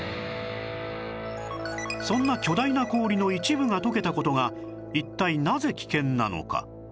そんな巨大な氷の一部が溶けた事が一体なぜ危険なのか